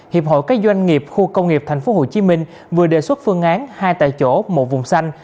hiệp hội các doanh nghiệp khu công nghiệp tp hcm vừa đề xuất phương án hai tại chỗ một vùng xanh